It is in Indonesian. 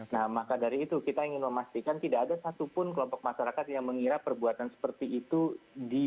nah maka dari itu kita ingin memastikan tidak ada satupun kelompok masyarakat yang mengira perbuatan seperti itu di